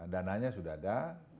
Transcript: dananya sudah ada